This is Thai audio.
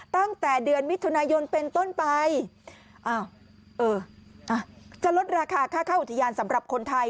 ตั้งแต่เดือนมิถนนายนเป็นต้นไปจะลดราคาค่าค่าอุทยานสำหรับคนไทย